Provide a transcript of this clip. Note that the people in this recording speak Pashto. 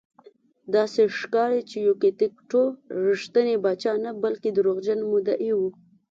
داسې ښکاري چې یوکیت ټو رښتینی پاچا نه بلکې دروغجن مدعي و.